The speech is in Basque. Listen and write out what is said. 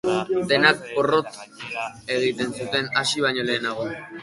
Danak porrot egin zuten hasi baino lehenago.